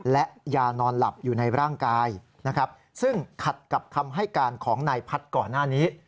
และยานอนหลับอยู่ในร่างกายนะครับซึ่งขัดกับคำให้การของนายพัฒน์ก่อนหน้านี้